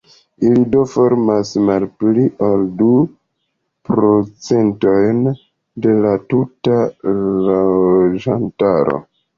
Ili do formas malpli ol du procentojn de la tuta loĝantaro.